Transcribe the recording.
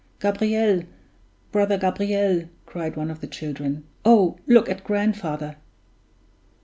"Gabriel! brother Gabriel!" cried one of the children. "Oh, look at grandfather!"